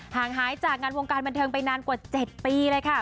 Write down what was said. งหายจากงานวงการบันเทิงไปนานกว่า๗ปีเลยค่ะ